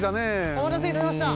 おまたせいたしました！